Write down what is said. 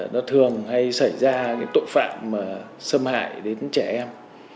nó thường hay xảy ra tội phạm xâm hại đến trẻ em